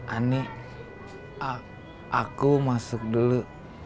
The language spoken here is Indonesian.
ani aku masuk dulu